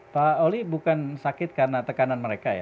pak oli bukan sakit karena tekanan mereka ya